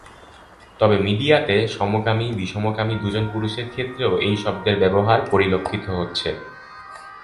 তবে মিডিয়াতে সমকামী-বিষমকামী দুজন পুরুষের ক্ষেত্রেও এই শব্দের ব্যবহার পরিলক্ষিত হচ্ছে।